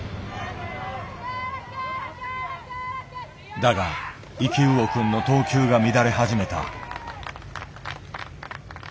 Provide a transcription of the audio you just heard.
だが生魚くんの投球が乱れ始めた。